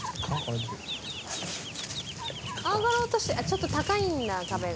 上がろうとしてちょっと高いんだ壁が。